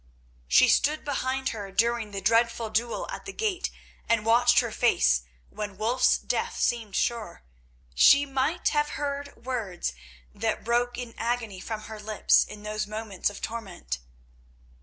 She stood behind her during the dreadful duel at the gate, and watched her face when Wulf's death seemed sure; she might have heard words that broke in agony from her lips in those moments of torment.